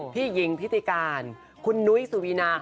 พี่หญิงทิติการคุณนุ้ยสุวีนา